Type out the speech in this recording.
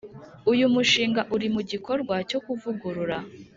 Uyu mushinga uri mu gikorwa cyo kuvugurura